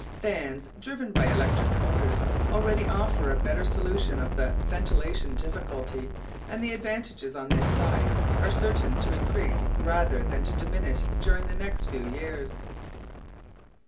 Fans driven by electric motors already offer a better solution of the ventilation difficulty, and the advantages on this side are certain to increase rather than to diminish during the next few years.